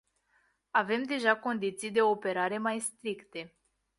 Avem deja condiții de operare mai stricte.